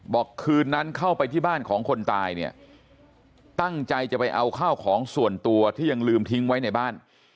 คืนนั้นเข้าไปที่บ้านของคนตายเนี่ยตั้งใจจะไปเอาข้าวของส่วนตัวที่ยังลืมทิ้งไว้ในบ้าน